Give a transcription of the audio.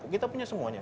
kita punya semuanya